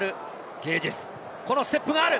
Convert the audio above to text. ゲージス、このステップがある。